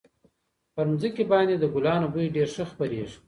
پر مځکي باندي د ګلانو بوی ډېر ښه خپرېږي.